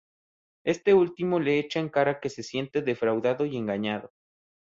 Este último le echa en cara que se siente defraudado y engañado.